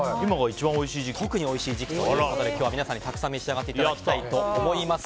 特においしい時期ということで今日は皆さんにたくさん召し上がっていただきたいと思います。